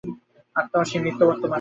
আত্মা অসীম, নিত্য বর্তমান।